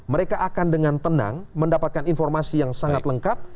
mereka akan dengan tenang mendapatkan informasi yang sangat lengkap